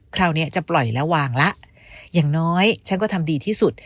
คราวนี้จะปล่อยแล้ววางละอย่างน้อยฉันก็ทำดีที่สุด